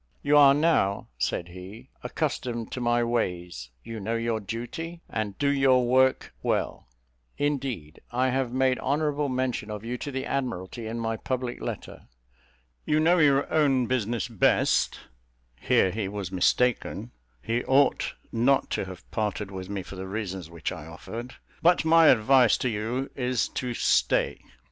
"You are now," said he, "accustomed to my ways you know your duty, and do your work well; indeed, I have made honourable mention of you to the Admiralty in my public letter: you know your own business best" (here he was mistaken he ought not to have parted with me for the reasons which I offered); "but my advice to you is to stay."